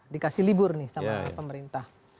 dikasih libur nih sama pemerintah